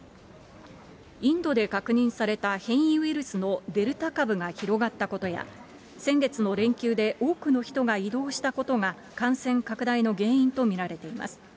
インドで確認された変異ウイルスのデルタ株が広がったことや、先月の連休で多くの人が移動したことが、感染拡大の原因と見られています。